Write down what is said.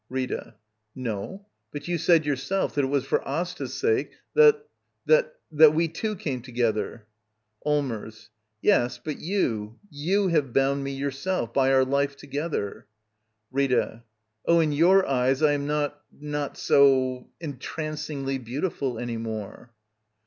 Rita. No. But you said yourself that it was vfor Asta's sake that — that we too came together. Allmers. Yes, but you, you have bound me yourself — by our life together. Rita. Oh, in your eyes I am not — not so — entrancingly beautiful any more.